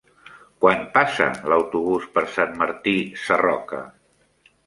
Quan passa l'autobús per Sant Martí Sarroca?